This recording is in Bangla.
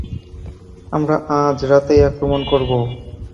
আমরা আজ রাতেই আক্রমণ করব!